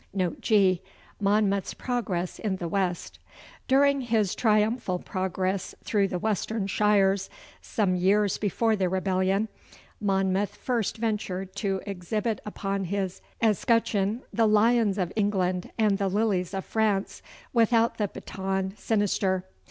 Note G. Monmouth's Progress in the West. During his triumphal progress through the western shires, some years before the rebellion, Monmouth first ventured to exhibit upon his escutcheon the lions of England and the lilies of France, without the baton sinister.